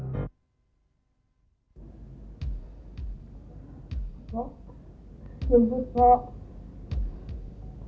sudah jam berapa ini